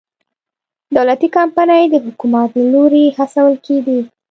دولتي کمپنۍ د حکومت له لوري هڅول کېدې.